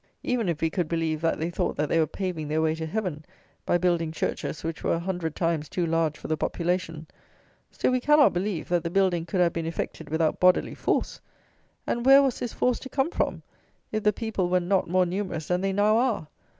Even if we could believe that they thought that they were paving their way to heaven, by building churches which were a hundred times too large for the population, still we cannot believe, that the building could have been effected without bodily force; and, where was this force to come from, if the people were not more numerous than they now are?